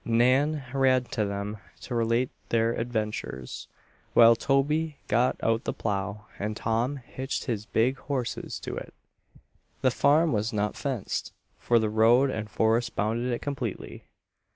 Nan ran to them to relate their adventures, while Toby got out the plow and Tom hitched his big horses to it. The farm was not fenced, for the road and forest bounded it completely.